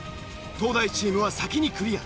東大チームは先にクリア。